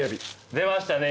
出ましたね